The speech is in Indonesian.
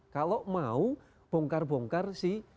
kalau mau bongkar bongkar si